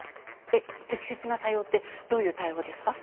えっ適切な対応ってどういう対応ですか？